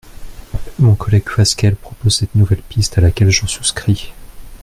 Mon collègue Fasquelle propose cette nouvelle piste à laquelle je souscris.